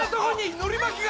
のり巻きが！